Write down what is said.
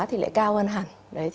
thì lại cao hơn hẳn